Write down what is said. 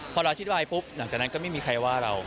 พอเราอธิบายปุ๊บหลังจากนั้นก็ไม่มีใครว่าเรา